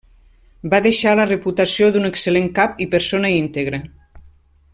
Va deixar la reputació d'un excel·lent cap i persona íntegre.